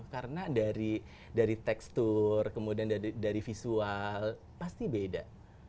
karena dari tekstur kemudian dari visual pasti beda